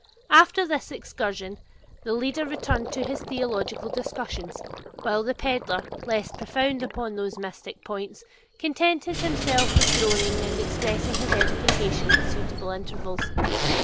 After this excursion the leader returned to his theological discussions, while the pedlar, less profound upon those mystic points, contented himself with groaning and expressing his edification at suitable intervals.